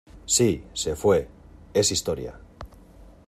¡ Sí! ¡ se fué !¡ es historia !